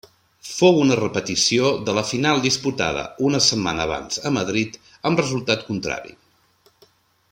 Fou una repetició de la final disputada una setmana abans a Madrid amb resultat contrari.